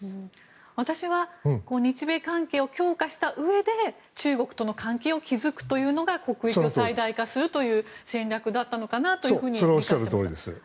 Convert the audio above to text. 私は日米関係を強化したうえで中国との関係を築くというのが国益を最大化するという戦略だったのかなと見ていますが。